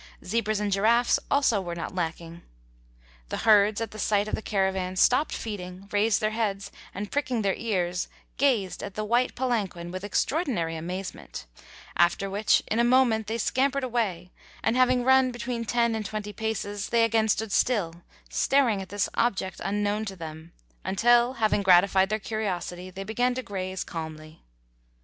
Zebras and giraffes also were not lacking. The herds, at the sight of the caravan, stopped feeding, raised their heads, and pricking their ears, gazed at the white palanquin with extraordinary amazement, after which in a moment they scampered away, and having run between ten and twenty paces they again stood still, staring at this object unknown to them, until, having gratified their curiosity, they began to graze calmly.